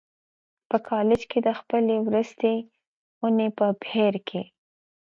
په کالج کې د خپلې وروستۍ اونۍ په بهیر کې